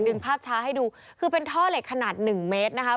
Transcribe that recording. ภาพช้าให้ดูคือเป็นท่อเหล็กขนาดหนึ่งเมตรนะคะ